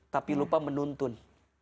tapi lupa menuntun